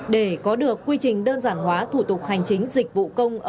để có được quy trình đơn giản hóa thủ tục hành chính dịch vụ công